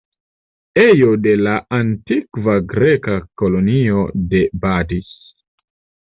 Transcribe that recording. Ejo de la antikva Greka kolonio de Batis.